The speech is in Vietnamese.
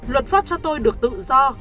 luật pháp cho tôi được tự do